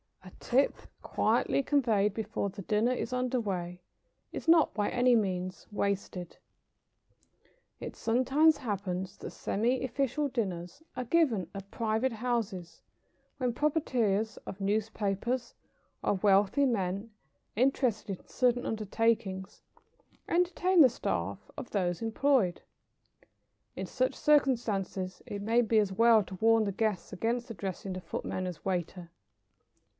A tip, quietly conveyed before the dinner is under way, is not by any means wasted. It sometimes happens that semi official dinners are given at private houses, when proprietors of [Sidenote: Semi official dinners at private houses.] newspapers or wealthy men interested in certain undertakings, entertain the staff of those employed. In such circumstances it may be as well to warn the guests against addressing the footmen as "waiter."